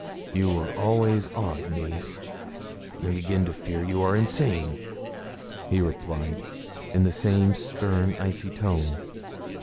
'You were always odd, niece; I begin to fear you are insane,' he replied, in the same stern icy tone.